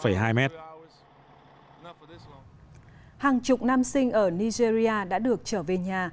hàng chục nam sinh ở nigeria đã được trở về nhà